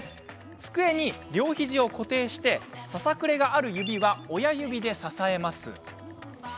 机に両肘を固定してささくれがある指は親指で支えます。